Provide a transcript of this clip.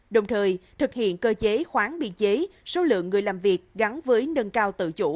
đồng thời thực hiện cơ chế khoáng biên chế số lượng người làm việc gắn với nâng cao tự chủ